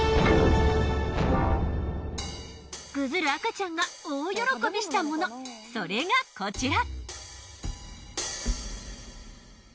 ぐずる赤ちゃんが大喜びしたものそれがこちら。